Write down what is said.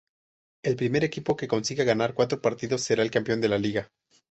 El primer equipo que consiga ganar cuatros partidos, será el campeón de la liga.